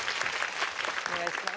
お願いします。